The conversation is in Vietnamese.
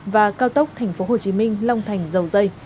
và cao tốc tp hcm long thành dầu dây